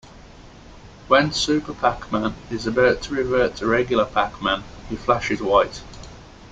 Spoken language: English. When Super Pac-Man is about to revert to regular Pac-Man, he flashes white.